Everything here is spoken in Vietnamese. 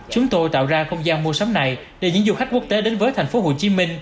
chúng tôi tạo ra không gian mua sắm này để những du khách quốc tế đến với tp hcm